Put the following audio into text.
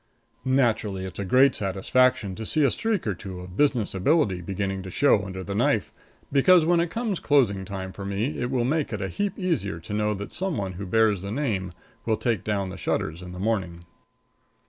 Naturally, it's a great satisfaction to see a streak or two of business ability beginning to show under the knife, because when it comes closing time for me it will make it a heap easier to know that some one who bears the name will take down the shutters in the morning.